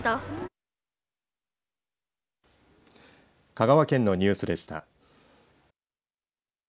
香川県のニュースでした。